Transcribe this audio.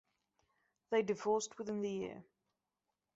They divorced within the year.